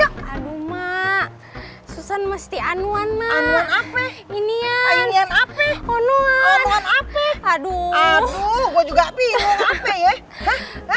aduh gue juga bingung apa ya